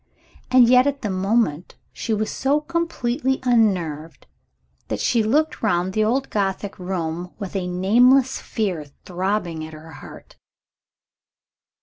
And yet at that moment, she was so completely unnerved that she looked round the old Gothic room, with a nameless fear throbbing at her heart.